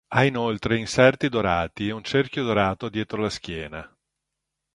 Ha inoltre inserti dorati ed un cerchio dorato dietro la schiena.